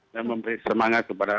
dan memberi semangat kepada